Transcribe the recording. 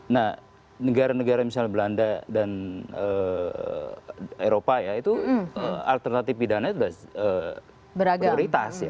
nah negara negara misalnya belanda dan eropa ya itu alternatif pidana itu sudah prioritas ya